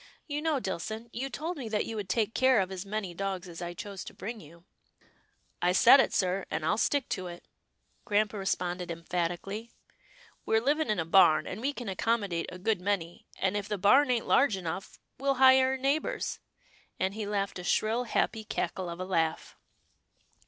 " You know, Dillson, you told me that you would take care of as many dogs as I chose to bring to you." " I said it, sir, and Til stick to it," grampa re sponded emphatically. " We're living in a barn, and we can accommodate a good many, and if the barn ain't large enough, we'll hire a neighbour's," and he laughed a shrill, happy cackle of a laugh.